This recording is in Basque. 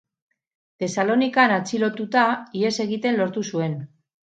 Tesalonikan atxilotuta, ihes egiten lortu zuen.